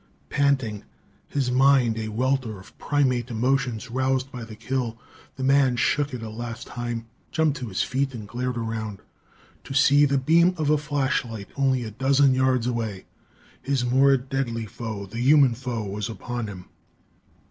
Panting, his mind a welter of primate emotions roused by the kill, the man shook it a last time, jumped to his feet and glared around to see the beam of a flashlight only a dozen yards away. His more deadly foe, the human foe, was upon him.